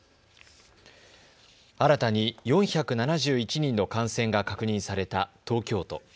新たに４７１人の感染が確認された東京都。